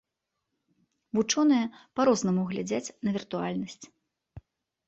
Вучоныя па-рознаму глядзяць на віртуальнасць.